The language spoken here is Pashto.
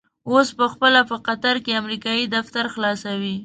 اوس په خپله په قطر کې امريکايي دفتر خلاصوي.